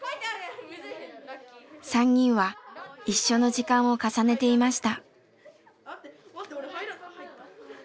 ３人は一緒の時間を重ねていました。